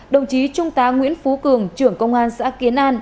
đồng chí trung tá nguyễn phú cường trưởng công an xã kiến an